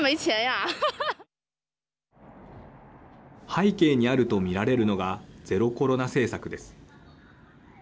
背景にあると見られるのがゼロコロナ政策です。